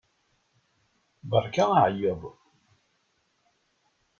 Beṛka aɛeyyeḍ!